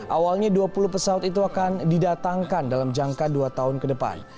awalnya dua puluh pesawat itu akan didatangkan dalam jangka dua tahun ke depan